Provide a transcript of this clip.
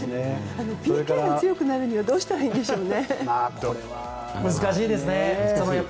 ＰＫが強くなるにはどうしたらいいんですかね。